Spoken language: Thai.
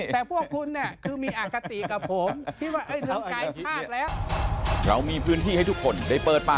แต่พวกคุณเนี่ยคือมีอากาศตีกับผม